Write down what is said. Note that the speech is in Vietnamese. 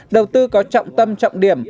đầu tư có trọng tâm trọng điểm